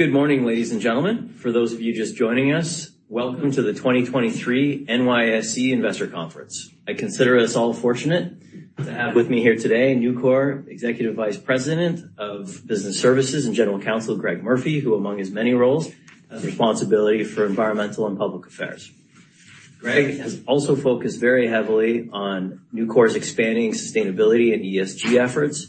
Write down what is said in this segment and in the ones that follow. Good morning, ladies and gentlemen. For those of you just joining us, welcome to the 2023 NYSE Investor Conference. I consider us all fortunate to have with me here today, Nucor Executive Vice President of Business Services and General Counsel, Greg Murphy, who, among his many roles, has responsibility for environmental and public affairs. Greg has also focused very heavily on Nucor's expanding sustainability and ESG efforts,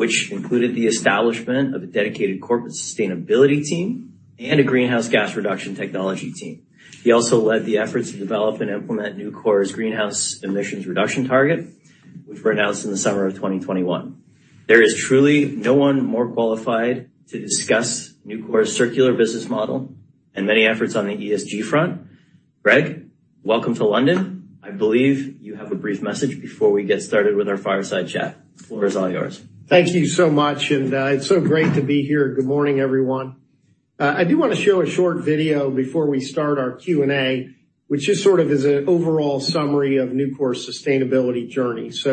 which included the establishment of a dedicated corporate sustainability team and a greenhouse gas reduction technology team. He also led the efforts to develop and implement Nucor's greenhouse emissions reduction target, which were announced in the summer of 2021. There is truly no one more qualified to discuss Nucor's circular business model and many efforts on the ESG front. Greg, welcome to London. I believe you have a brief message before we get started with our fireside chat. The floor is all yours. Thank you so much, and it's so great to be here. Good morning, everyone. I do want to show a short video before we start our Q&A, which is sort of an overall summary of Nucor's sustainability journey. It's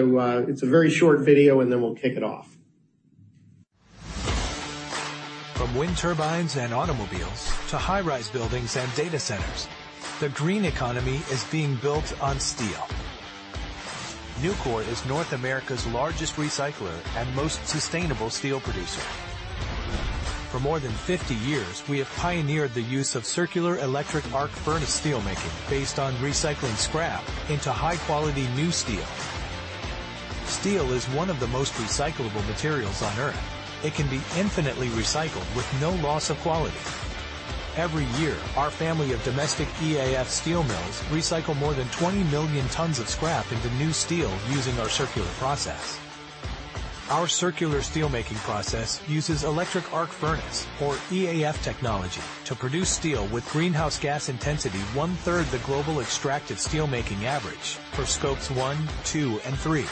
a very short video, and then we'll kick it off. From wind turbines and automobiles to high-rise buildings and data centers, the green economy is being built on steel. Nucor is North America's largest recycler and most sustainable steel producer. For more than 50 years, we have pioneered the use of circular electric arc furnace steelmaking, based on recycling scrap into high-quality new steel. Steel is one of the most recyclable materials on Earth. It can be infinitely recycled with no loss of quality. Every year, our family of domestic EAF steel mills recycle more than 20 million tons of scrap into new steel using our circular process. Our circular steelmaking process uses electric arc furnace or EAF technology to produce steel with greenhouse gas intensity, one-third the global extracted steelmaking average for Scope 1, 2, and 3.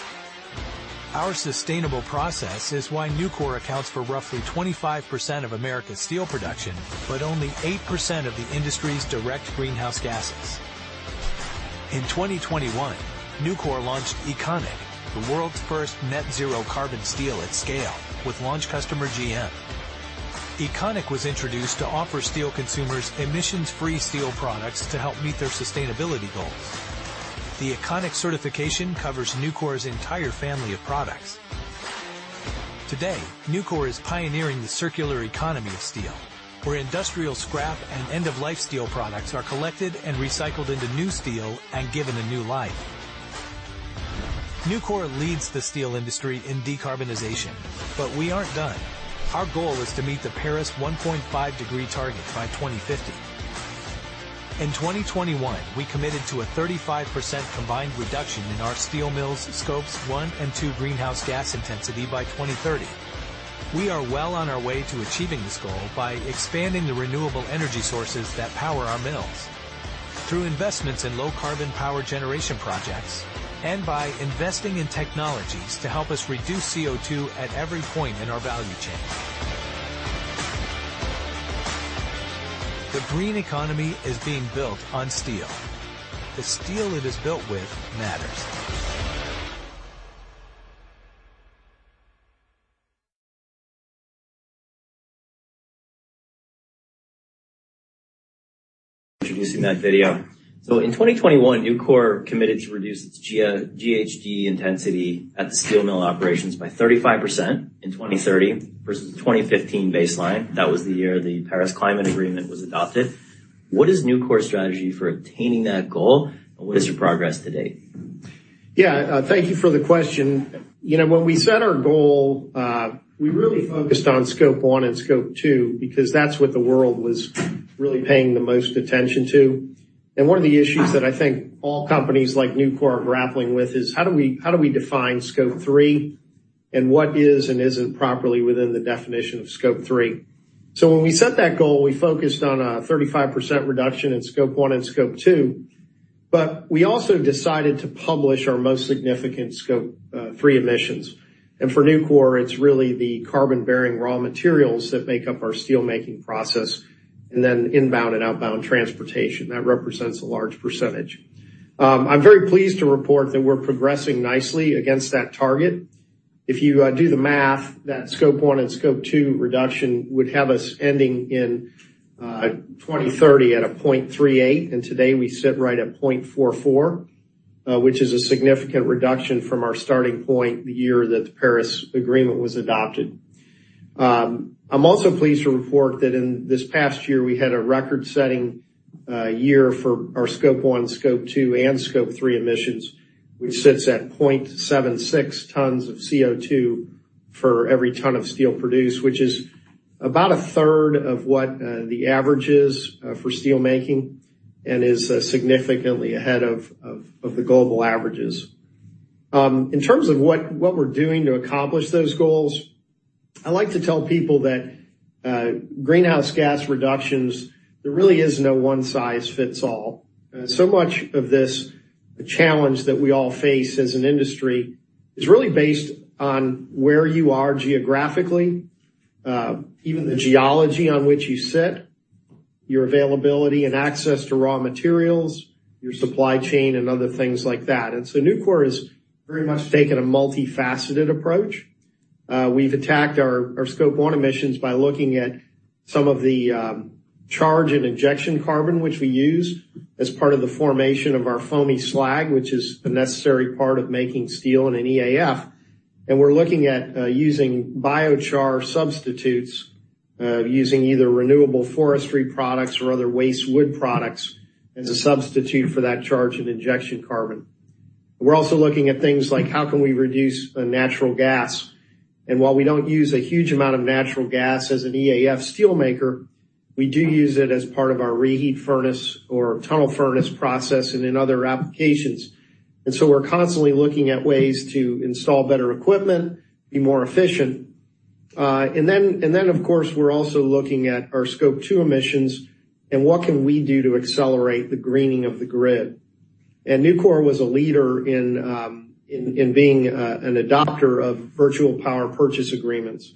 Our sustainable process is why Nucor accounts for roughly 25% of America's steel production, but only 8% of the industry's direct greenhouse gases. In 2021, Nucor launched Econiq, the world's first net-zero carbon steel at scale, with launch customer GM. Econiq was introduced to offer steel consumers emissions-free steel products to help meet their sustainability goals. The Econiq certification covers Nucor's entire family of products. Today, Nucor is pioneering the circular economy of steel, where industrial scrap and end-of-life steel products are collected and recycled into new steel and given a new life. Nucor leads the steel industry in decarbonization, we aren't done. Our goal is to meet the Paris one point five degree target by 2050. In 2021, we committed to a 35% combined reduction in our steel mills Scopes 1 and 2 greenhouse gas intensity by 2030. We are well on our way to achieving this goal by expanding the renewable energy sources that power our mills through investments in low carbon power generation projects, and by investing in technologies to help us reduce CO2 at every point in our value chain. The green economy is being built on steel. The steel it is built with matters. Introducing that video. In 2021, Nucor committed to reduce its GHG intensity at the steel mill operations by 35% in 2030 vs the 2015 baseline. That was the year the Paris Climate Agreement was adopted. What is Nucor's strategy for attaining that goal, and what is your progress to date? Yeah, thank you for the question. You know, when we set our goal, we really focused on Scope 1 and Scope 2, because that's what the world was really paying the most attention to. One of the issues that I think all companies like Nucor are grappling with is: How do we define Scope 3? What is and isn't properly within the definition of Scope 3? When we set that goal, we focused on a 35% reduction in Scope 1 and Scope 2, but we also decided to publish our most significant Scope three emissions. For Nucor, it's really the carbon-bearing raw materials that make up our steelmaking process, and then inbound and outbound transportation. That represents a large percentage. I'm very pleased to report that we're progressing nicely against that target. If you do the math, that Scope 1 and Scope 2 reduction would have us ending in 2030 at 0.38, and today we sit right at 0.44, which is a significant reduction from our starting point, the year that the Paris Agreement was adopted. I'm also pleased to report that in this past year, we had a record-setting year for our Scope 1, Scope 2, and Scope 3 emissions, which sits at 0.76 tons of CO2 for every ton of steel produced, which is about a third of what the average is for steelmaking and is significantly ahead of the global averages. In terms of what we're doing to accomplish those goals, I like to tell people that, greenhouse gas reductions, there really is no one size fits all. Much of this challenge that we all face as an industry is really based on where you are geographically, even the geology on which you sit. Your availability and access to raw materials, your supply chain, and other things like that. Nucor has very much taken a multifaceted approach. We've attacked our Scope 1 emissions by looking at some of the charge and injection carbon, which we use as part of the formation of our foamy slag, which is a necessary part of making steel in an EAF. We're looking at using biochar substitutes, using either renewable forestry products or other waste wood products as a substitute for that charge and injection carbon. We're also looking at things like how can we reduce natural gas? While we don't use a huge amount of natural gas as an EAF steelmaker, we do use it as part of our reheat furnace or tunnel furnace process and in other applications. So we're constantly looking at ways to install better equipment, be more efficient. Then, of course, we're also looking at our Scope 2 emissions and what can we do to accelerate the greening of the grid. Nucor was a leader in being an adopter of virtual power purchase agreements.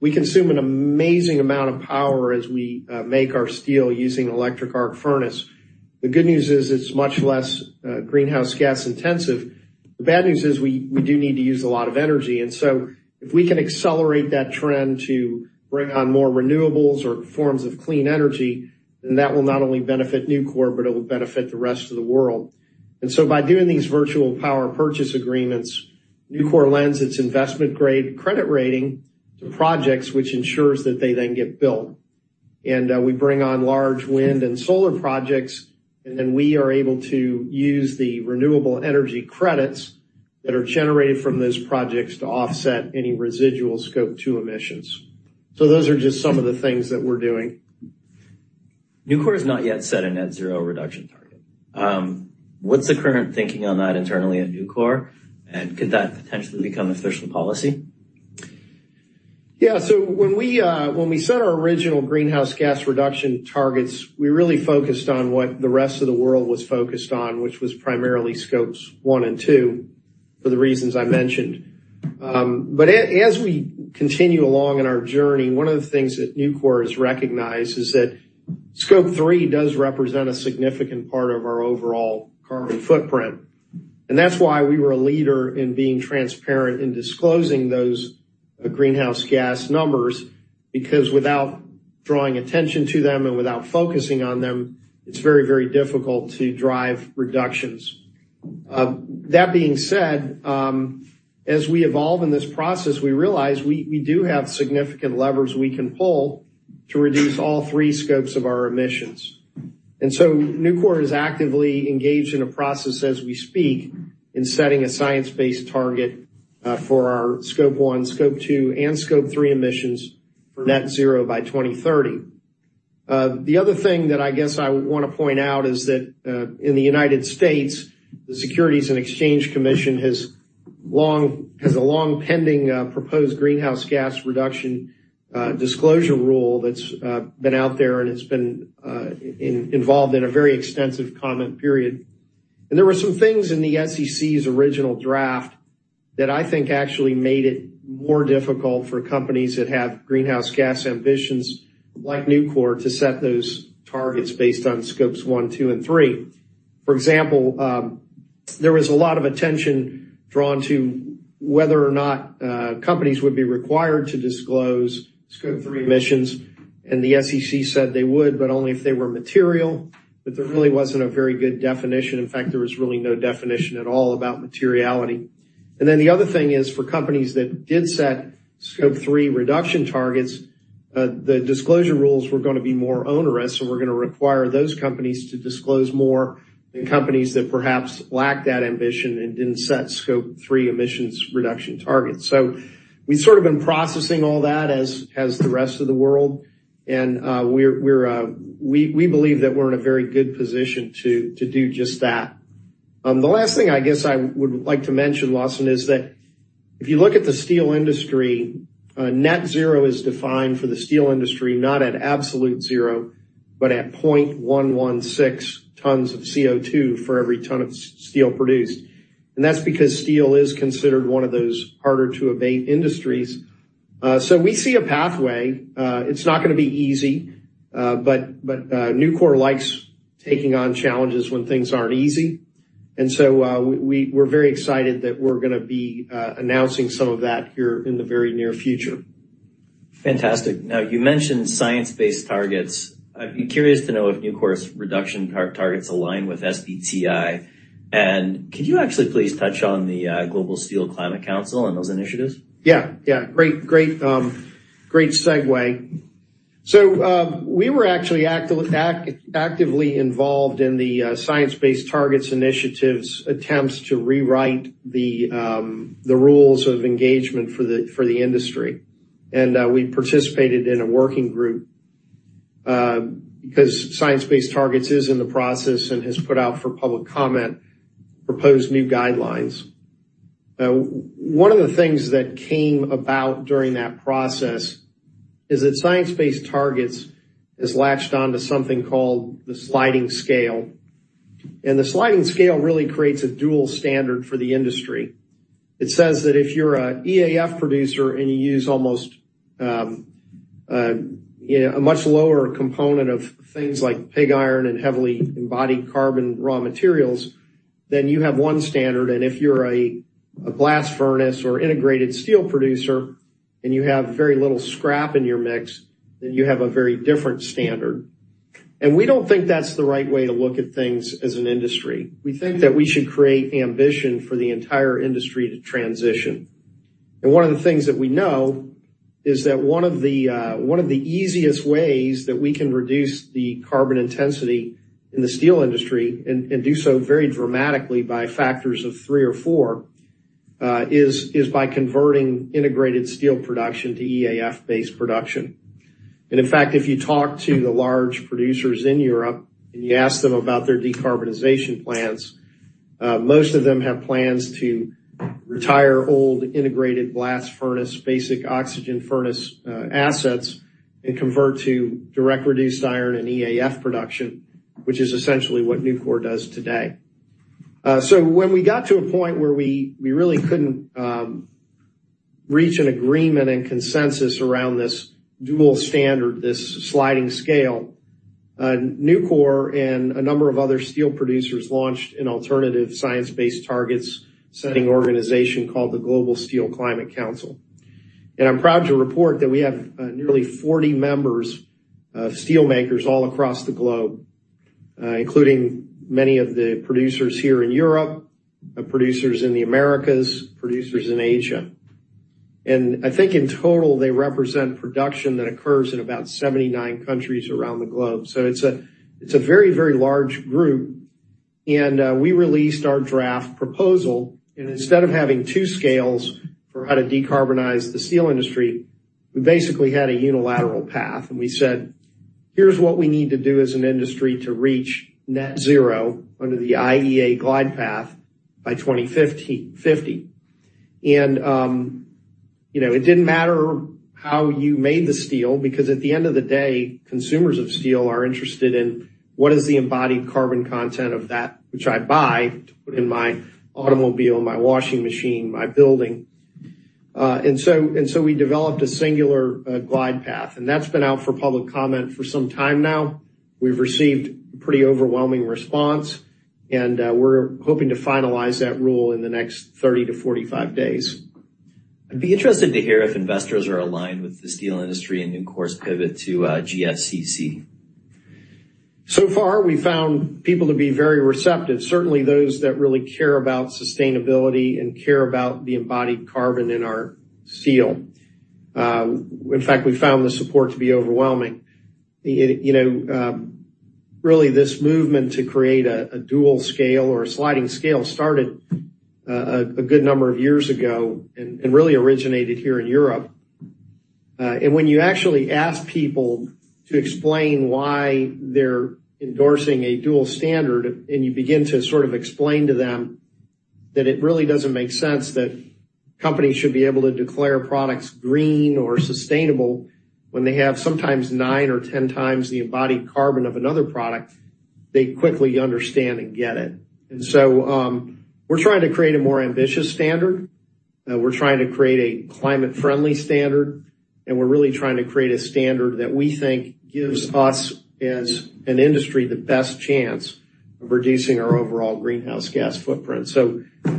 We consume an amazing amount of power as we make our steel using electric arc furnace. The good news is, it's much less greenhouse gas intensive. The bad news is we do need to use a lot of energy. If we can accelerate that trend to bring on more renewables or forms of clean energy, then that will not only benefit Nucor, but it will benefit the rest of the world. By doing these virtual power purchase agreements, Nucor lends its investment-grade credit rating to projects which ensures that they then get built. We bring on large wind and solar projects, and then we are able to use the renewable energy credits that are generated from those projects to offset any residual Scope 2 emissions. Those are just some of the things that we're doing. Nucor has not yet set a net-zero reduction target. What's the current thinking on that internally at Nucor, and could that potentially become official policy? When we set our original greenhouse gas reduction targets, we really focused on what the rest of the world was focused on, which was primarily Scope 1 and 2, for the reasons I mentioned. As we continue along in our journey, one of the things that Nucor has recognized is that Scope 3 does represent a significant part of our overall carbon footprint, and that's why we were a leader in being transparent in disclosing those greenhouse gas numbers, because without drawing attention to them and without focusing on them, it's very, very difficult to drive reductions. That being said, as we evolve in this process, we realize we do have significant levers we can pull to reduce all 3 scopes of our emissions. Nucor is actively engaged in a process as we speak, in setting a science-based target for our Scope 1, Scope 2, and Scope 3 emissions for net-zero by 2030. The other thing that I guess I want to point out is that in the United States, the Securities and Exchange Commission has a long-pending proposed greenhouse gas reduction disclosure rule that's been out there, and it's been involved in a very extensive comment period. There were some things in the SEC's original draft that I think actually made it more difficult for companies that have greenhouse gas ambitions, like Nucor, to set those targets based on Scopes 1, 2, and 3. For example, there was a lot of attention drawn to whether or not companies would be required to disclose Scope 3 emissions. The SEC said they would, but only if they were material. There really wasn't a very good definition. In fact, there was really no definition at all about materiality. The other thing is, for companies that did set Scope 3 reduction targets, the disclosure rules were gonna be more onerous, and we're gonna require those companies to disclose more than companies that perhaps lacked that ambition and didn't set Scope 3 emissions reduction targets. We've sort of been processing all that, as the rest of the world, and we believe that we're in a very good position to do just that. The last thing I guess I would like to mention, Lawson, is that if you look at the steel industry, net-zero is defined for the steel industry, not at absolute zero, but at 0.116 tons of CO2 for every ton of steel produced. That's because steel is considered one of those harder to abate industries. We see a pathway. It's not gonna be easy, but Nucor likes taking on challenges when things aren't easy, we're very excited that we're gonna be announcing some of that here in the very near future. Fantastic! Now, you mentioned science-based targets. I'd be curious to know if Nucor's reduction targets align with SBTi. Could you actually please touch on the Global Steel Climate Council and those initiatives? Yeah. Yeah. Great, great segue. We were actually actively involved in the Science Based Targets initiative's attempts to rewrite the rules of engagement for the industry. We participated in a working group because Science Based Targets initiative is in the process and has put out for public comment, proposed new guidelines. One of the things that came about during that process is that Science Based Targets initiative has latched on to something called the sliding scale. The sliding scale really creates a dual standard for the industry. It says that if you're an EAF producer and you use almost, you know, a much lower component of things like pig iron and heavily embodied carbon raw materials, then you have one standard. If you're a blast furnace or integrated steel producer, and you have very little scrap in your mix, then you have a very different standard. We don't think that's the right way to look at things as an industry. We think that we should create ambition for the entire industry to transition. One of the things that we know is that one of the easiest ways that we can reduce the carbon intensity in the steel industry, and do so very dramatically by factors of three or four, is by converting integrated steel production to EAF-based production. In fact, if you talk to the large producers in Europe, and you ask them about their decarbonization plans, most of them have plans to retire old integrated blast furnace, basic oxygen furnace, assets, and convert to direct reduced iron and EAF production, which is essentially what Nucor does today. When we got to a point where we really couldn't reach an agreement and consensus around this dual standard, this sliding scale, Nucor and a number of other steel producers launched an alternative science-based targets setting organization called the Global Steel Climate Council. I'm proud to report that we have nearly 40 members of steelmakers all across the globe, including many of the producers here in Europe, producers in the Americas, producers in Asia. I think in total, they represent production that occurs in about 79 countries around the globe. It's a, it's a very, very large group, and we released our draft proposal. Instead of having two scales for how to decarbonize the steel industry, we basically had a unilateral path, and we said, "Here's what we need to do as an industry to reach net-zero under the IEA glide path by 2050." You know, it didn't matter how you made the steel, because at the end of the day, consumers of steel are interested in what is the embodied carbon content of that which I buy to put in my automobile, my washing machine, my building? And so we developed a singular glide path, and that's been out for public comment for some time now. We've received a pretty overwhelming response, and we're hoping to finalize that rule in the next 30-45 days. I'd be interested to hear if investors are aligned with the steel industry and Nucor's pivot to GSCC. Far, we've found people to be very receptive, certainly those that really care about sustainability and care about the embodied carbon in our steel. In fact, we found the support to be overwhelming. You know, really, this movement to create a dual scale or a sliding scale started a good number of years ago and really originated here in Europe. When you actually ask people to explain why they're endorsing a dual standard, and you begin to sort of explain to them that it really doesn't make sense that companies should be able to declare products green or sustainable when they have sometimes nine or 10 times the embodied carbon of another product, they quickly understand and get it. We're trying to create a more ambitious standard. We're trying to create a climate-friendly standard, and we're really trying to create a standard that we think gives us, as an industry, the best chance of reducing our overall greenhouse gas footprint.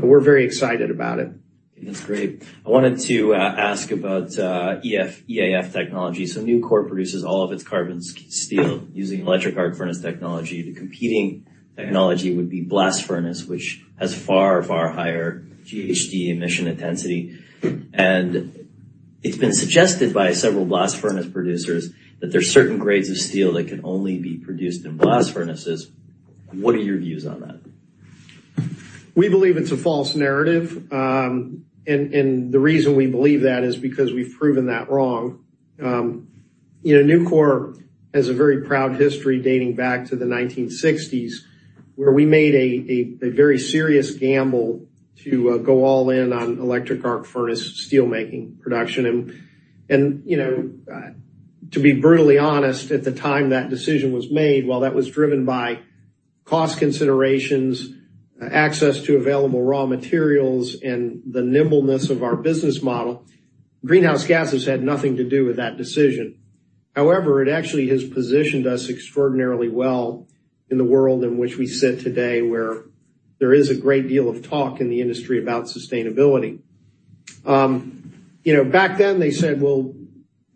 We're very excited about it. That's great. I wanted to ask about EAF technology. Nucor produces all of its carbon steel using electric arc furnace technology. The competing technology would be blast furnace, which has far, far higher GHG emission intensity. It's been suggested by several blast furnace producers that there are certain grades of steel that can only be produced in blast furnaces. What are your views on that? We believe it's a false narrative, and the reason we believe that is because we've proven that wrong. You know, Nucor has a very proud history dating back to the 1960s, where we made a very serious gamble to go all in on electric arc furnace steelmaking production. You know, to be brutally honest, at the time that decision was made, while that was driven by cost considerations, access to available raw materials, and the nimbleness of our business model, greenhouse gases had nothing to do with that decision. However, it actually has positioned us extraordinarily well in the world in which we sit today, where there is a great deal of talk in the industry about sustainability. You know, back then they said, "Well,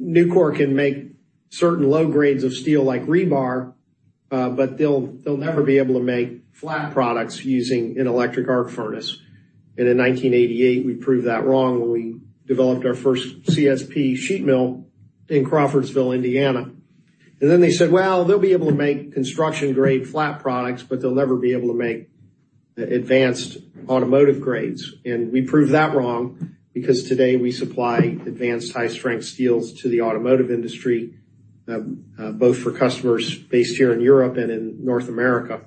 Nucor can make certain low grades of steel like rebar, but they'll never be able to make flat products using an electric arc furnace." In 1988, we proved that wrong when we developed our first CSP sheet mill in Crawfordsville, Indiana. Then they said, "Well, they'll be able to make construction-grade flat products, but they'll never be able to make the advanced automotive grades." We proved that wrong because today we supply advanced high-strength steels to the automotive industry, both for customers based here in Europe and in North America.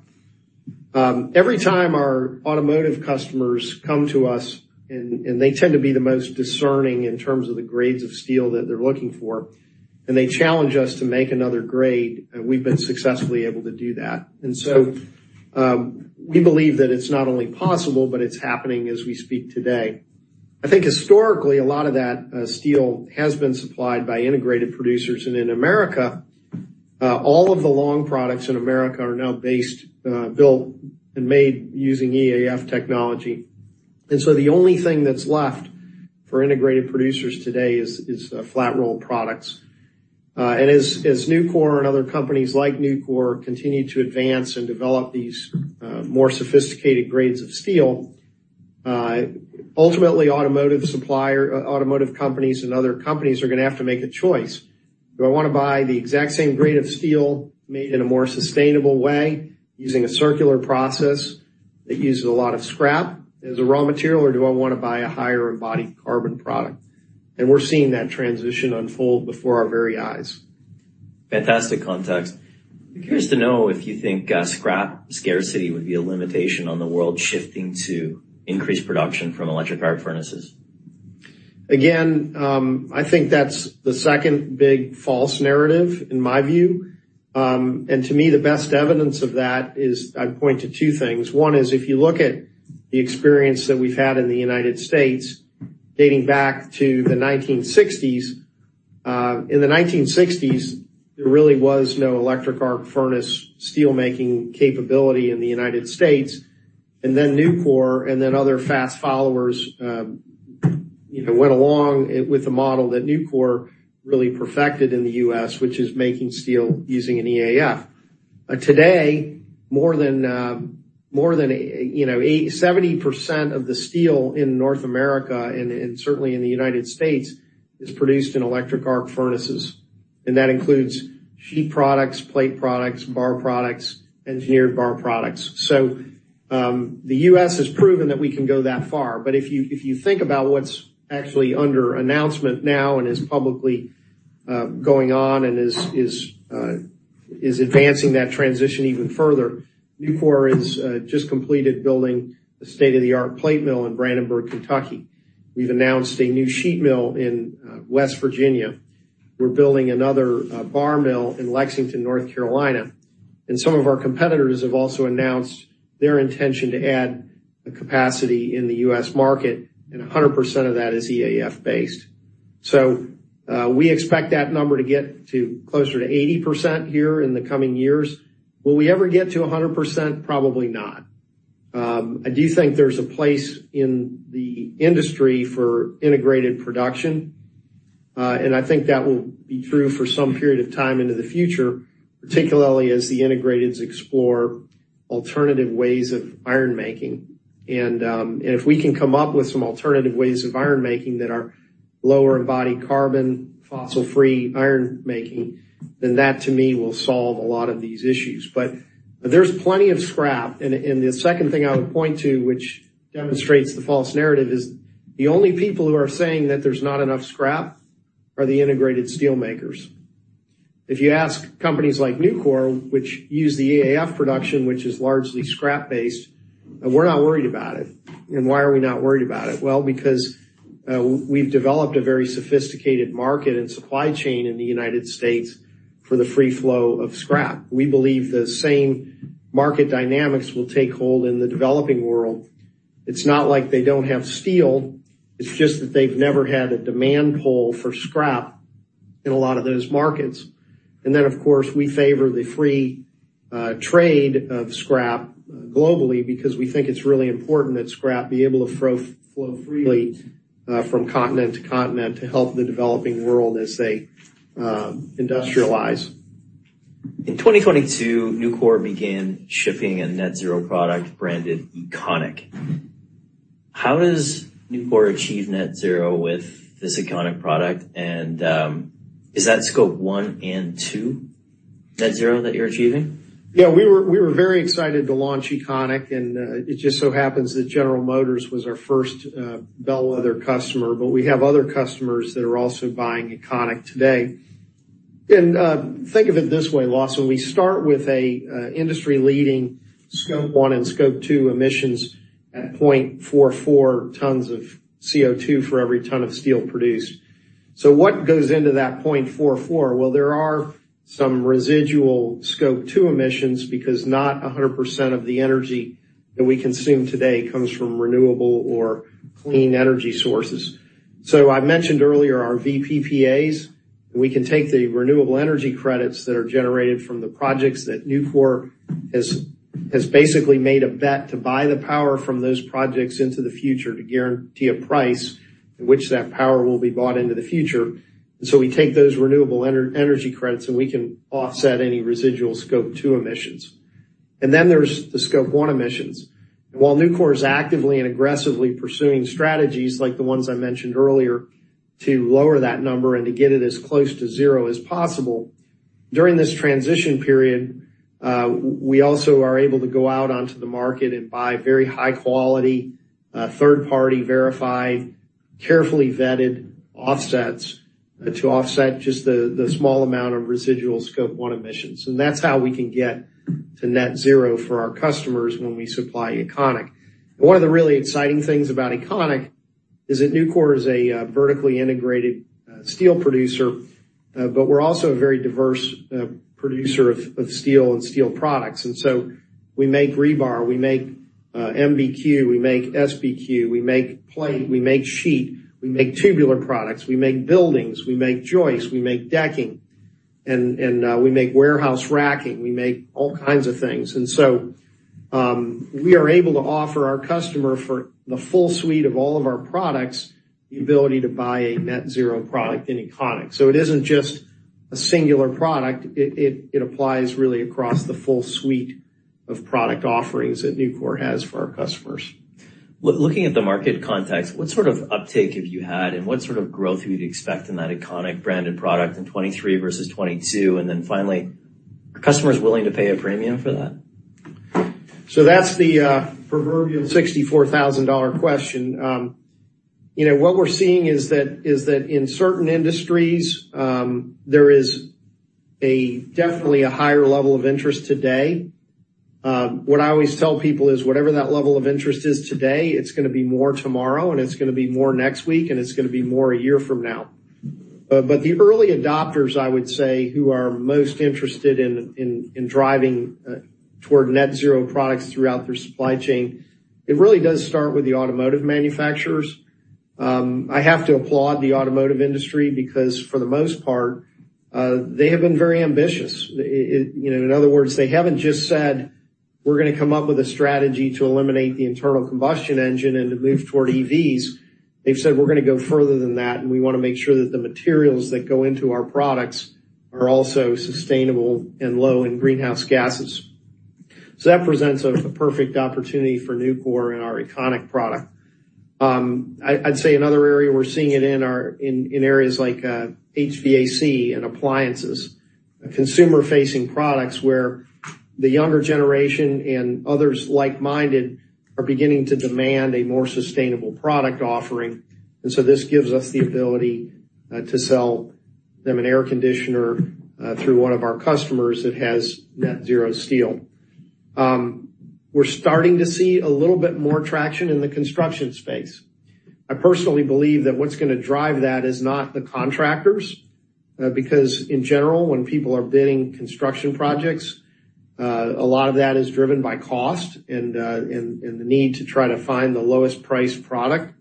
Every time our automotive customers come to us, and they tend to be the most discerning in terms of the grades of steel that they're looking for. They challenge us to make another grade, we've been successfully able to do that. We believe that it's not only possible, but it's happening as we speak today. I think historically, a lot of that steel has been supplied by integrated producers. In America, all of the long products in America are now based, built and made using EAF technology. The only thing that's left for integrated producers today is flat roll products. As Nucor and other companies like Nucor continue to advance and develop these more sophisticated grades of steel, ultimately, automotive supplier, automotive companies and other companies are gonna have to make a choice. Do I wanna buy the exact same grade of steel made in a more sustainable way, using a circular process that uses a lot of scrap as a raw material, or do I wanna buy a higher embodied carbon product? We're seeing that transition unfold before our very eyes. Fantastic context. I'm curious to know if you think scrap scarcity would be a limitation on the world shifting to increased production from electric arc furnaces? Again, I think that's the second big false narrative in my view. To me, the best evidence of that is I'd point to two things. One is, if you look at the experience that we've had in the United States dating back to the 1960s. In the 1960s, there really was no electric arc furnace steelmaking capability in the United States, Nucor, and then other fast followers, you know, went along with the model that Nucor really perfected in the U.S., which is making steel using an EAF. Today, more than, you know, 70% of the steel in North America and certainly in the United States, is produced in electric arc furnaces. That includes sheet products, plate products, bar products, engineered bar products. The U.S. has proven that we can go that far. If you think about what's actually under announcement now and is publicly going on and is advancing that transition even further, Nucor has just completed building a state-of-the-art plate mill in Brandenburg, Kentucky. We've announced a new sheet mill in West Virginia. We're building another bar mill in Lexington, North Carolina. Some of our competitors have also announced their intention to add the capacity in the U.S. market, and 100% of that is EAF-based. We expect that number to get to closer to 80% here in the coming years. Will we ever get to 100%? Probably not. I do think there's a place in the industry for integrated production, and I think that will be true for some period of time into the future, particularly as the integrateds explore alternative ways of iron-making. If we can come up with some alternative ways of iron-making that are lower in body carbon, fossil-free iron-making, then that, to me, will solve a lot of these issues. There's plenty of scrap. The second thing I would point to, which demonstrates the false narrative, is the only people who are saying that there's not enough scrap are the integrated steelmakers. If you ask companies like Nucor, which use the EAF production, which is largely scrap-based, we're not worried about it. Why are we not worried about it? Well, because we've developed a very sophisticated market and supply chain in the United States for the free flow of scrap. We believe the same market dynamics will take hold in the developing world. It's not like they don't have steel, it's just that they've never had a demand pull for scrap in a lot of those markets. Of course, we favor the free trade of scrap globally because we think it's really important that scrap be able to flow freely from continent to continent to help the developing world as they industrialize. In 2022, Nucor began shipping a net-zero product branded Econiq. How does Nucor achieve net-zero with this Econiq product, and is that Scope 1 and 2, net-zero that you're achieving? Yeah, we were very excited to launch Econiq, it just so happens that General Motors was our first bellwether customer, but we have other customers that are also buying Econiq today. Think of it this way, Lawson, we start with a industry-leading Scope 1 and Scope 2 emissions at 0.44 tons of CO2 for every ton of steel produced. What goes into that 0.44? Well, there are some residual Scope 2 emissions, because not 100% of the energy that we consume today comes from renewable or clean energy sources. I mentioned earlier our VPPAs. We can take the renewable energy credits that are generated from the projects that Nucor has basically made a bet to buy the power from those projects into the future to guarantee a price at which that power will be bought into the future. We take those renewable energy credits, and we can offset any residual Scope 2 emissions. There's the Scope 1 emissions. While Nucor is actively and aggressively pursuing strategies like the ones I mentioned earlier to lower that number and to get it as close to zero as possible, during this transition period, we also are able to go out onto the market and buy very high quality, third-party verified, carefully vetted offsets to offset just the small amount of residual Scope 1 emissions. That's how we can get to net-zero for our customers when we supply Econiq. One of the really exciting things about Econiq is that Nucor is a vertically integrated steel producer, but we're also a very diverse producer of steel and steel products. We make rebar, we make MBQ, we make SBQ, we make plate, we make sheet, we make tubular products, we make buildings, we make joists, we make decking, and we make warehouse racking. We make all kinds of things. So we are able to offer our customer for the full suite of all of our products, the ability to buy a net-zero product in Econiq. It isn't just a singular product. It applies really across the full suite of product offerings that Nucor has for our customers. Well, looking at the market context, what sort of uptake have you had and what sort of growth would you expect in that Econiq branded product in 2023 vs 2022? Finally, are customers willing to pay a premium for that? That's the proverbial $64,000 question. You know, what we're seeing is that in certain industries, there is definitely a higher level of interest today. What I always tell people is whatever that level of interest is today, it's gonna be more tomorrow, and it's gonna be more next week, and it's gonna be more a year from now. The early adopters, I would say, who are most interested in driving toward net-zero products throughout their supply chain, it really does start with the automotive manufacturers. I have to applaud the automotive industry because for the most part, they have been very ambitious. It. You know, in other words, they haven't just said, "We're gonna come up with a strategy to eliminate the internal combustion engine and to move toward EVs." They've said, "We're gonna go further than that, and we want to make sure that the materials that go into our products are also sustainable and low in greenhouse gases." That presents a perfect opportunity for Nucor and our Econiq product. I'd say another area we're seeing it in are in areas like HVAC and appliances, consumer-facing products where the younger generation and others like-minded are beginning to demand a more sustainable product offering. This gives us the ability to sell them an air conditioner through one of our customers that has net-zero steel. We're starting to see a little bit more traction in the construction space. I personally believe that what's gonna drive that is not the contractors, because in general, when people are bidding construction projects, a lot of that is driven by cost and the need to try to find the lowest priced product.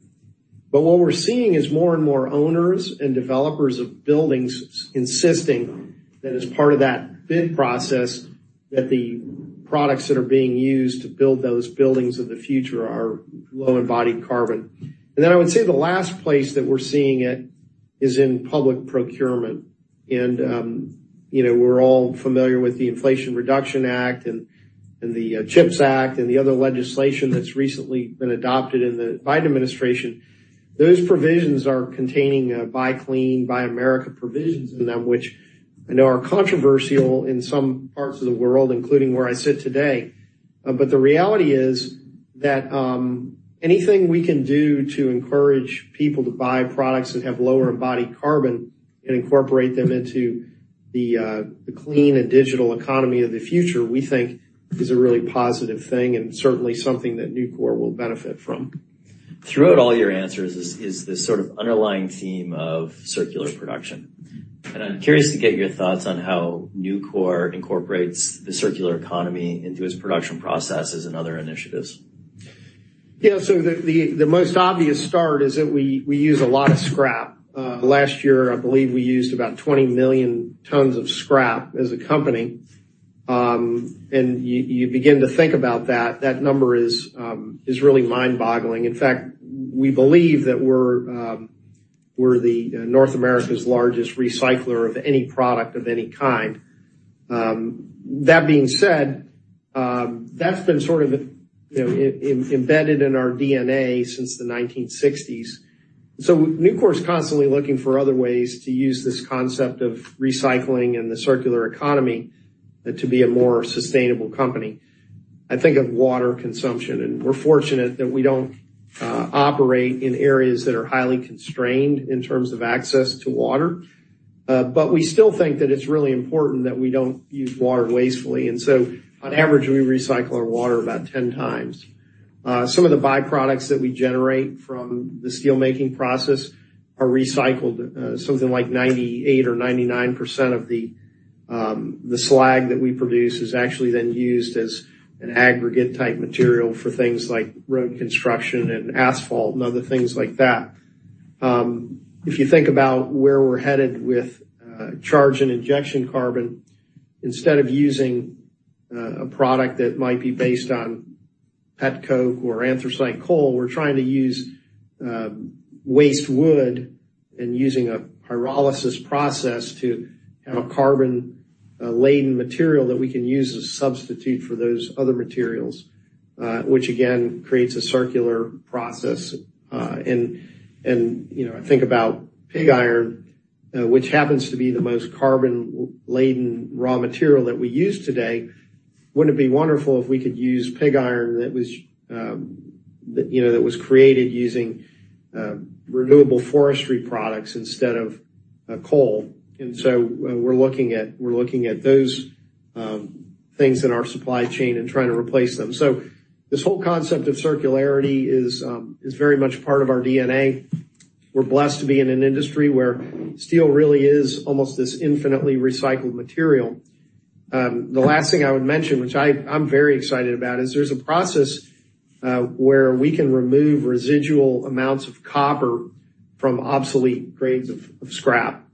What we're seeing is more and more owners and developers of buildings insisting that as part of that bid process, that the products that are being used to build those buildings of the future are low in body carbon. Then I would say the last place that we're seeing it is in public procurement. You know, we're all familiar with the Inflation Reduction Act and the CHIPS Act and the other legislation that's recently been adopted in the Biden administration. Those provisions are containing, Buy Clean, Buy America provisions in them, which I know are controversial in some parts of the world, including where I sit today. The reality is that, anything we can do to encourage people to buy products that have lower embodied carbon and incorporate them into the clean and digital economy of the future, we think is a really positive thing and certainly something that Nucor will benefit from. Throughout all your answers is this sort of underlying theme of circular production. I'm curious to get your thoughts on how Nucor incorporates the circular economy into its production processes and other initiatives. The most obvious start is that we use a lot of scrap. Last year, I believe we used about 20 million tons of scrap as a company. You begin to think about that number is really mind-boggling. In fact, we believe that we're the North America's largest recycler of any product, of any kind. That being said, that's been sort of, you know, embedded in our D&A since the 1960s. Nucor is constantly looking for other ways to use this concept of recycling and the circular economy to be a more sustainable company. I think of water consumption, we're fortunate that we don't operate in areas that are highly constrained in terms of access to water. We still think that it's really important that we don't use water wastefully, and so on average, we recycle our water about 10 times. Some of the byproducts that we generate from the steelmaking process are recycled. Something like 98% or 99% of the slag that we produce is actually then used as an aggregate-type material for things like road construction and asphalt and other things like that. If you think about where we're headed with charge and injection carbon, instead of using a product that might be based on petcoke or anthracite coal, we're trying to use waste wood and using a pyrolysis process to have a carbon laden material that we can use as a substitute for those other materials, which again, creates a circular process. You know, I think about pig iron, which happens to be the most carbon-laden raw material that we use today. Wouldn't it be wonderful if we could use pig iron that was, that, you know, that was created using renewable forestry products instead of coal. We're looking at those things in our supply chain and trying to replace them. This whole concept of circularity is very much part of our D&A. We're blessed to be in an industry where steel really is almost this infinitely recycled material. The last thing I would mention, which I'm very excited about, is there's a process where we can remove residual amounts of copper from obsolete grades of scrap.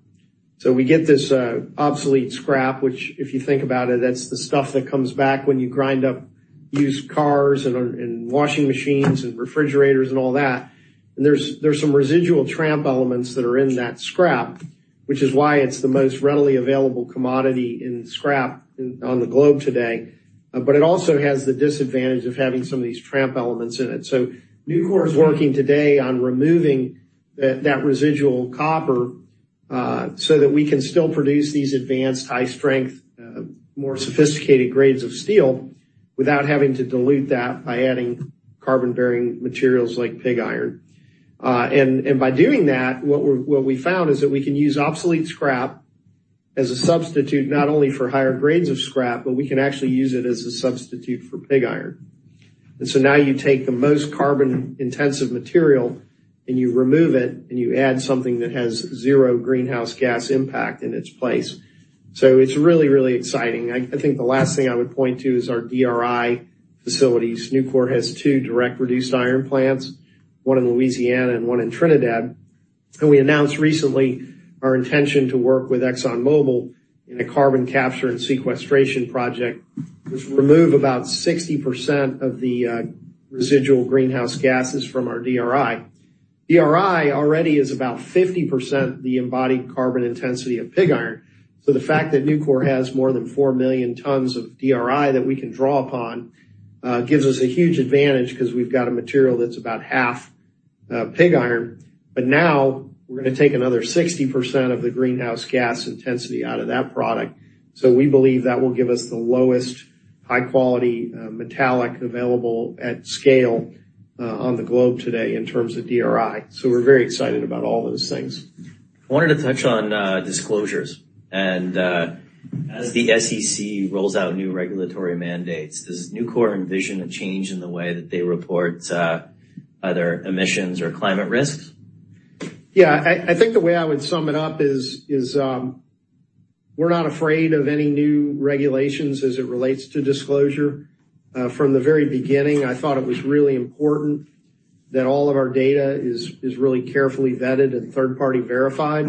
We get this obsolete scrap, which, if you think about it, that's the stuff that comes back when you grind up used cars and washing machines and refrigerators and all that. There's some residual tramp elements that are in that scrap, which is why it's the most readily available commodity in scrap on the globe today. It also has the disadvantage of having some of these tramp elements in it. Nucor is working today on removing that residual copper so that we can still produce these advanced high-strength, more sophisticated grades of steel without having to dilute that by adding carbon-bearing materials like pig iron. By doing that, what we found is that we can use obsolete scrap as a substitute, not only for higher grades of scrap, but we can actually use it as a substitute for pig iron. Now you take the most carbon-intensive material and you remove it, and you add something that has zero greenhouse gas impact in its place. It's really, really exciting. I think the last thing I would point to is our DRI facilities. Nucor has two direct reduced iron plants, one in Louisiana and one in Trinidad. We announced recently our intention to work with ExxonMobil in a carbon capture and sequestration project, which will remove about 60% of the residual greenhouse gases from our DRI. DRI already is about 50% the embodied carbon intensity of pig iron. The fact that Nucor has more than 4 million tons of DRI that we can draw upon, gives us a huge advantage 'cause we've got a material that's about half, pig iron, but now we're gonna take another 60% of the greenhouse gas intensity out of that product. We believe that will give us the lowest high-quality, metallic available at scale, on the globe today in terms of DRI. We're very excited about all those things. I wanted to touch on disclosures. As the SEC rolls out new regulatory mandates, does Nucor envision a change in the way that they report other emissions or climate risks? Yeah, I think the way I would sum it up is, we're not afraid of any new regulations as it relates to disclosure. From the very beginning, I thought it was really important that all of our data is really carefully vetted and third-party verified.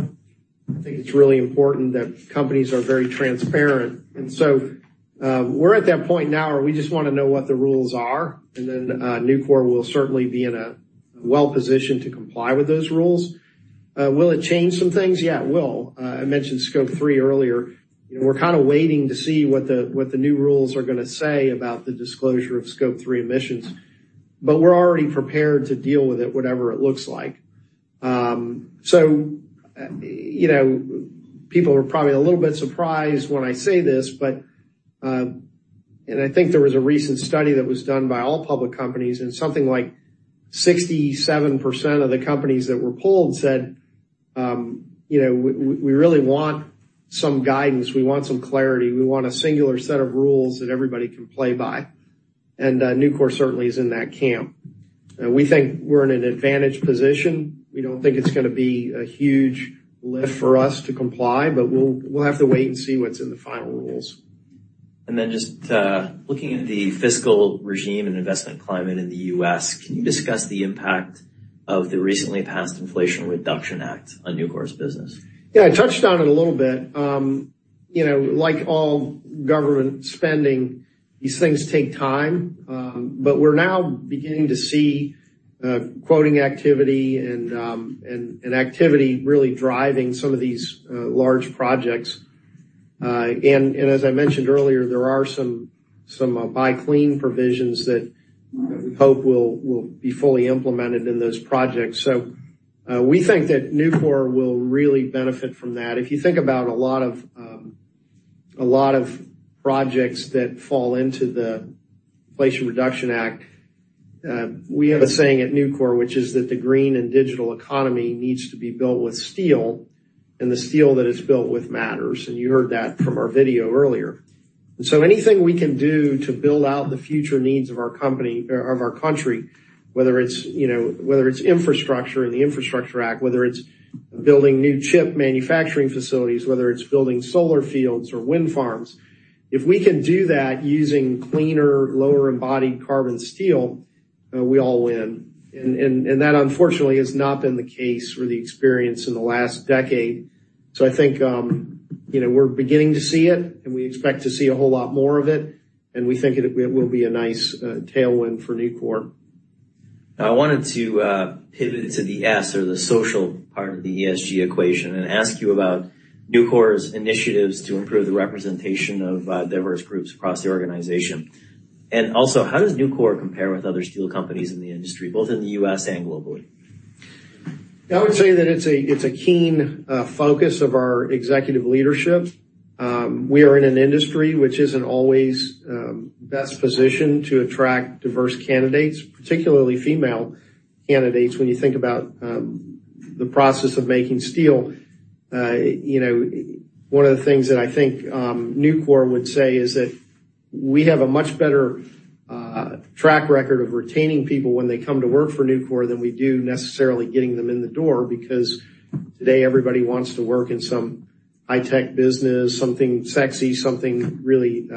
I think it's really important that companies are very transparent. We're at that point now where we just wanna know what the rules are, and then Nucor will certainly be in a well position to comply with those rules. Will it change some things? Yeah, it will. I mentioned Scope 3 earlier. We're kinda waiting to see what the new rules are gonna say about the disclosure of Scope 3 emissions, but we're already prepared to deal with it, whatever it looks like. You know, people are probably a little bit surprised when I say this, but I think there was a recent study that was done by all public companies, something like 67% of the companies that were polled said, "You know, we really want some guidance, we want some clarity, we want a singular set of rules that everybody can play by." Nucor certainly is in that camp. We think we're in an advantaged position. We don't think it's gonna be a huge lift for us to comply, but we'll have to wait and see what's in the final rules. Just looking at the fiscal regime and investment climate in the U.S., can you discuss the impact of the recently passed Inflation Reduction Act on Nucor's business? Yeah, I touched on it a little bit. You know, like all government spending, these things take time, but we're now beginning to see quoting activity and activity really driving some of these large projects. As I mentioned earlier, there are some Buy Clean provisions that we hope will be fully implemented in those projects. We think that Nucor will really benefit from that. If you think about a lot of projects that fall into the Inflation Reduction Act, we have a saying at Nucor, which is that "The green and digital economy needs to be built with steel, and the steel that it's built with matters." You heard that from our video earlier. Anything we can do to build out the future needs of our company or of our country, whether it's, you know, whether it's infrastructure and the Infrastructure Act, whether it's building new chip manufacturing facilities, whether it's building solar fields or wind farms, if we can do that using cleaner, lower embodied carbon steel, we all win. And that, unfortunately, has not been the case or the experience in the last decade. I think, you know, we're beginning to see it, and we expect to see a whole lot more of it, and we think it will be a nice tailwind for Nucor. I wanted to pivot to the S, or the social part of the ESG equation, and ask you about Nucor's initiatives to improve the representation of diverse groups across the organization. Also, how does Nucor compare with other steel companies in the U.S. and globally? I would say that it's a keen focus of our executive leadership. We are in an industry which isn't always best positioned to attract diverse candidates, particularly female candidates. When you think about the process of making steel, you know, one of the things that I think Nucor would say is that we have a much better track record of retaining people when they come to work for Nucor than we do necessarily getting them in the door, because today everybody wants to work in some high-tech business, something sexy, something really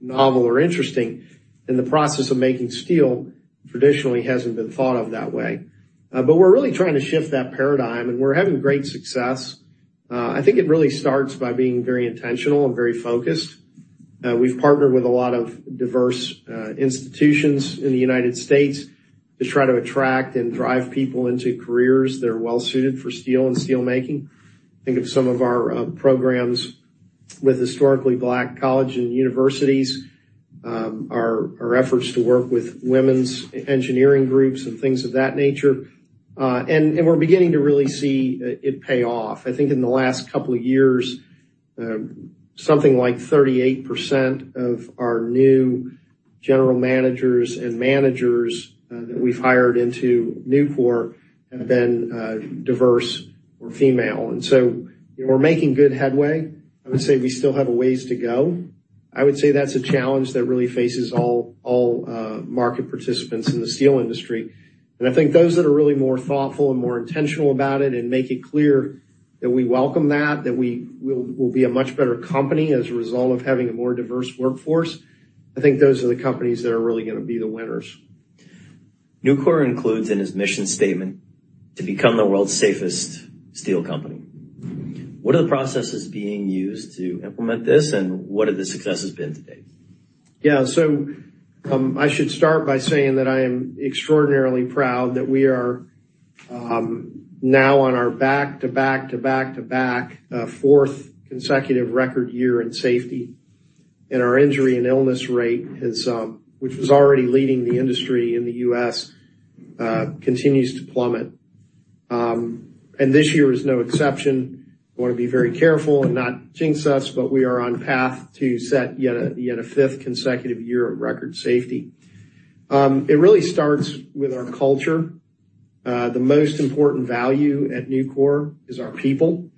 novel or interesting. The process of making steel traditionally hasn't been thought of that way. We're really trying to shift that paradigm, and we're having great success. I think it really starts by being very intentional and very focused. We've partnered with a lot of diverse institutions in the United States to try to attract and drive people into careers that are well suited for steel and steelmaking. Think of some of our programs with Historically Black Colleges and Universities, our efforts to work with women's engineering groups and things of that nature. We're beginning to really see it pay off. I think in the last couple of years, something like 38% of our new general managers and managers that we've hired into Nucor have been diverse or female, and so we're making good headway. I would say we still have a ways to go. I would say that's a challenge that really faces all market participants in the steel industry. I think those that are really more thoughtful and more intentional about it and make it clear that we welcome that we will be a much better company as a result of having a more diverse workforce, I think those are the companies that are really gonna be the winners. Nucor includes in its mission statement to become the world's safest steel company. What are the processes being used to implement this, and what have the successes been to date? Yeah. I should start by saying that I am extraordinarily proud that we are now on our back to back to back to back fourth consecutive record year in safety, and our injury and illness rate has, which was already leading the industry in the U.S., continues to plummet. This year is no exception. I want to be very careful and not jinx us, but we are on path to set a fifth consecutive year of record safety. It really starts with our culture. The most important value at Nucor is our people.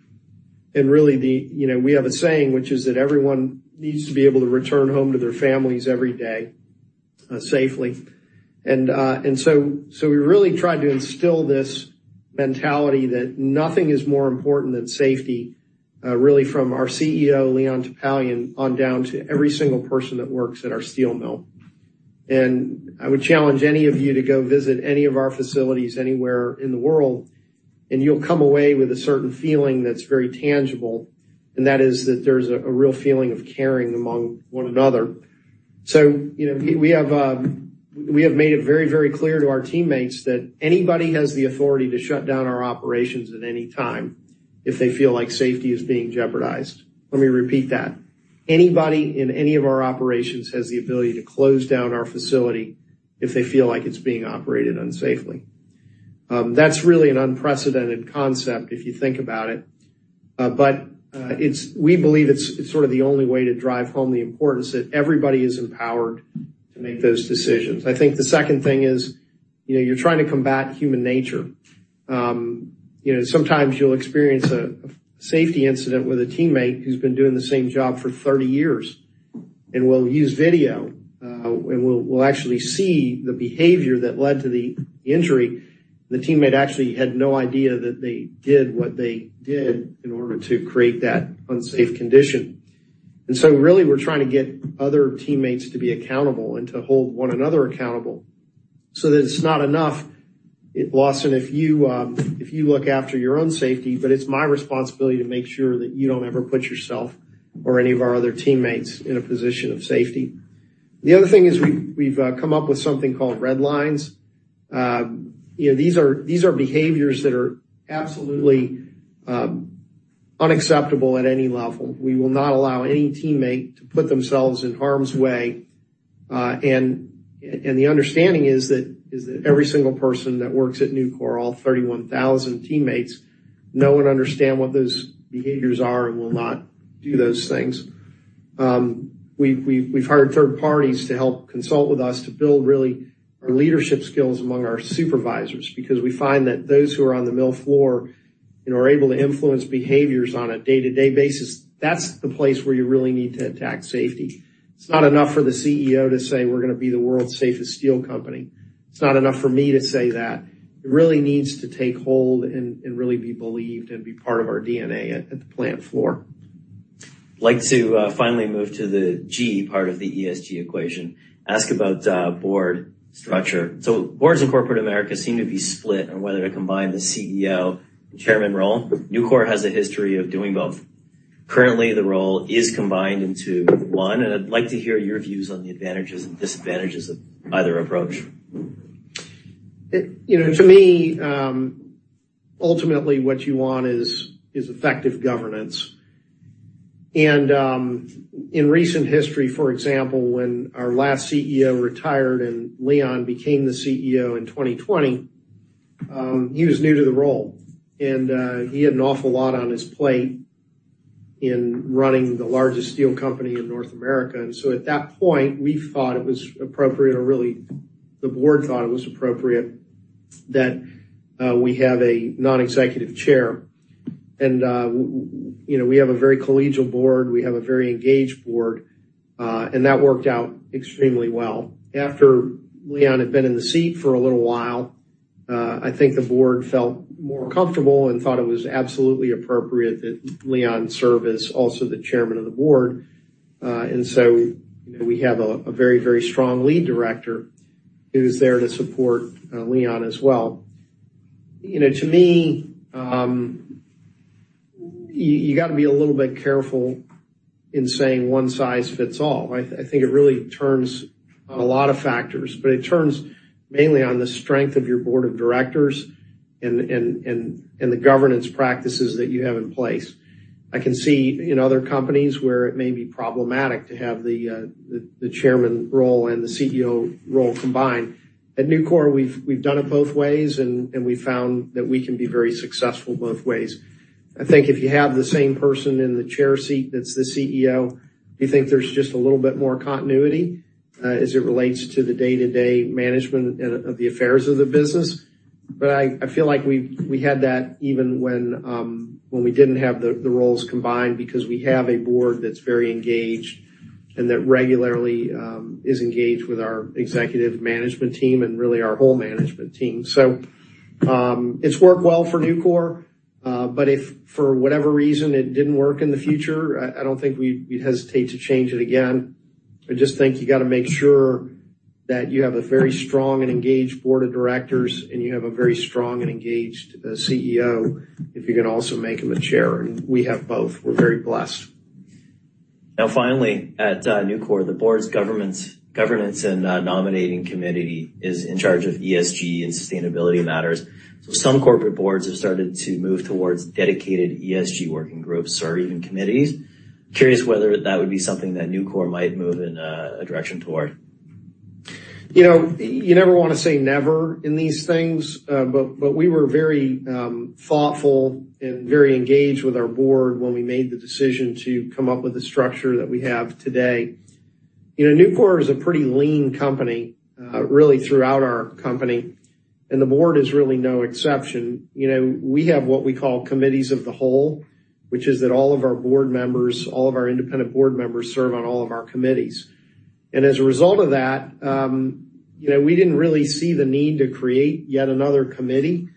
You know, we have a saying, which is that everyone needs to be able to return home to their families every day safely. We really try to instill this mentality that nothing is more important than safety, really, from our CEO, Leon Topalian, on down to every single person that works at our steel mill. I would challenge any of you to go visit any of our facilities anywhere in the world, and you'll come away with a certain feeling that's very tangible, and that is that there's a real feeling of caring among one another. You know, we have made it very, very clear to our teammates that anybody has the authority to shut down our operations at any time if they feel like safety is being jeopardized. Let me repeat that: Anybody in any of our operations has the ability to close down our facility if they feel like it's being operated unsafely. That's really an unprecedented concept, if you think about it. We believe it's sort of the only way to drive home the importance, that everybody is empowered to make those decisions. I think the second thing is, you know, you're trying to combat human nature. You know, sometimes you'll experience a safety incident with a teammate who's been doing the same job for 30 years, and we'll use video, and we'll actually see the behavior that led to the injury. The teammate actually had no idea that they did what they did in order to create that unsafe condition. Really, we're trying to get other teammates to be accountable and to hold one another accountable so that it's not enough if, Lawson, if you look after your own safety, but it's my responsibility to make sure that you don't ever put yourself or any of our other teammates in a position of safety. The other thing is, we've come up with something called red lines. You know, these are behaviors that are absolutely unacceptable at any level. We will not allow any teammate to put themselves in harm's way. The understanding is that every single person that works at Nucor, all 31,000 teammates, know and understand what those behaviors are and will not do those things. We've hired third parties to help consult with us to build, really, our leadership skills among our supervisors, because we find that those who are on the mill floor and are able to influence behaviors on a day-to-day basis, that's the place where you really need to attack safety. It's not enough for the CEO to say, "We're gonna be the world's safest steel company." It's not enough for me to say that. It really needs to take hold and really be believed and be part of our D&A at the plant floor. I'd like to finally move to the G part of the ESG equation. Ask about board structure. Boards in corporate America seem to be split on whether to combine the CEO and Chairman role. Nucor has a history of doing both. Currently, the role is combined into one, and I'd like to hear your views on the advantages and disadvantages of either approach. You know, to me, ultimately, what you want is effective governance. In recent history, for example, when our last CEO retired and Leon became the CEO in 2020. He was new to the role, and he had an awful lot on his plate in running the largest steel company in North America. At that point, we thought it was appropriate, or really, the board thought it was appropriate, that we have a non-executive chair. We have a very collegial board. We have a very engaged board, and that worked out extremely well. After Leon had been in the seat for a little while, I think the board felt more comfortable and thought it was absolutely appropriate that Leon serve as also the Chairman of the Board. We have a very, very strong lead director who's there to support Leon as well. You know, to me, you got to be a little bit careful in saying one size fits all. I think it really turns on a lot of factors, but it turns mainly on the strength of your board of directors and the governance practices that you have in place. I can see in other companies where it may be problematic to have the Chairman role and the CEO role combined. At Nucor, we've done it both ways, and we found that we can be very successful both ways. I think if you have the same person in the chair seat, that's the CEO, you think there's just a little bit more continuity, as it relates to the day-to-day management and of the affairs of the business. I feel like we had that even when when we didn't have the roles combined, because we have a board that's very engaged and that regularly is engaged with our executive management team and really our whole management team. It's worked well for Nucor, but if for whatever reason it didn't work in the future, I don't think we'd hesitate to change it again. I just think you got to make sure that you have a very strong and engaged board of directors, and you have a very strong and engaged CEO, if you can also make him a chair. We have both. We're very blessed. Now, finally, at Nucor, the board's Governance and Nominating Committee is in charge of ESG and sustainability matters. Some corporate boards have started to move towards dedicated ESG working groups or even committees. Curious whether that would be something that Nucor might move in a direction toward? You know, you never want to say never in these things, but we were very thoughtful and very engaged with our board when we made the decision to come up with the structure that we have today. You know, Nucor is a pretty lean company, really throughout our company, and the board is really no exception. You know, we have what we call Committees of the Whole, which is that all of our board members, all of our independent board members, serve on all of our committees. As a result of that, you know, we didn't really see the need to create yet another committee,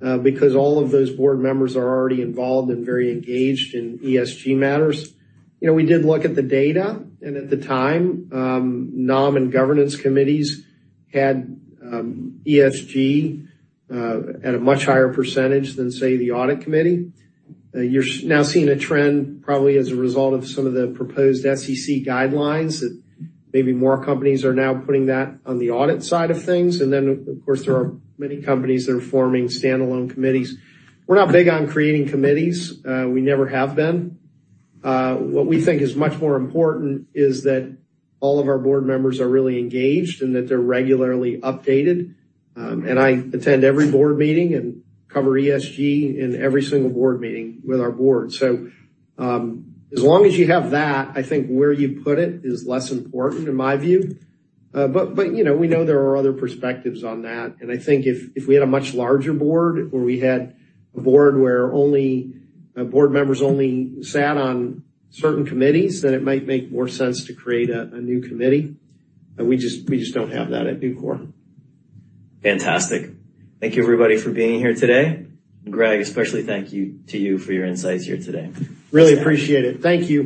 because all of those board members are already involved and very engaged in ESG matters. You know, we did look at the data, and at the time, nominating and governance committees had ESG at a much higher percentage than, say, the audit committee. You're now seeing a trend, probably as a result of some of the proposed SEC guidelines, that maybe more companies are now putting that on the audit side of things. Then, of course, there are many companies that are forming standalone committees. We're not big on creating committees. We never have been. What we think is much more important is that all of our board members are really engaged and that they're regularly updated. I attend every board meeting and cover ESG in every single board meeting with our board. As long as you have that, I think where you put it is less important in my view. You know, we know there are other perspectives on that. I think if we had a much larger board or we had a board where only board members only sat on certain committees, then it might make more sense to create a new committee. We just don't have that at Nucor. Fantastic. Thank you, everybody, for being here today. Greg, especially thank you to you for your insights here today. Really appreciate it. Thank you.